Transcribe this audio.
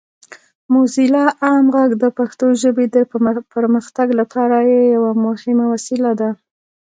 موزیلا عام غږ د پښتو ژبې د پرمختګ لپاره یوه مهمه وسیله ده.